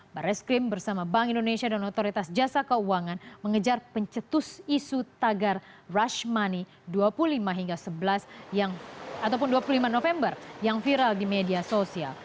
barreskrim bersama bank indonesia dan otoritas jasa keuangan mengejar pencetus isu tagar rush money dua puluh lima hingga sebelas yang viral di media sosial